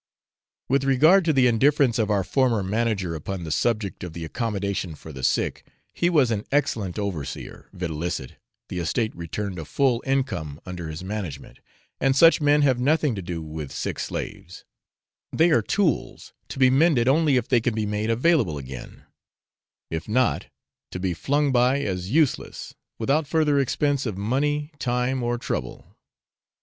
With regard to the indifference of our former manager upon the subject of the accommodation for the sick, he was an excellent overseer, videlicet, the estate returned a full income under his management, and such men have nothing to do with sick slaves they are tools, to be mended only if they can be made available again, if not, to be flung by as useless, without further expense of money, time, or trouble.